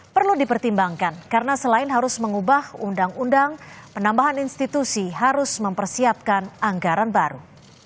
perlu dipertimbangkan karena selain harus mengubah undang undang penambahan institusi harus mempersiapkan anggaran baru